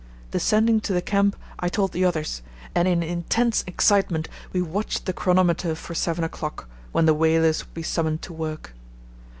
Descending to the camp I told the others, and in intense excitement we watched the chronometer for seven o'clock, when the whalers would be summoned to work.